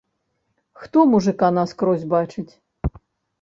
Хто мужыка наскрозь бачыць?